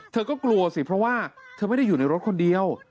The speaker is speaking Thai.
เธอก็กลัวสิเพราะว่าเธอไม่ได้อยู่ในรถคนเดียว